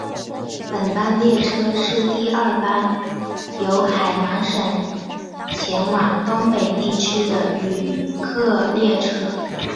本班列车是第二班由海南省前往东北地区的旅客列车。